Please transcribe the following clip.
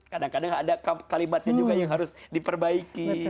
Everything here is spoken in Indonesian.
kadang kadang ada kalimatnya juga yang harus diperbaiki